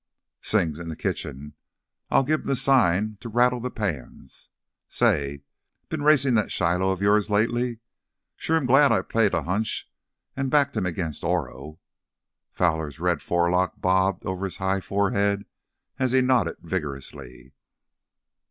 "Sing's in th' kitchen. I'll give him th' sign to rattle th' pans. Say—been racin' that Shiloh of yours lately? Sure am glad I played a hunch an' backed him against Oro." Fowler's red forelock bobbed over his high forehead as he nodded vigorously.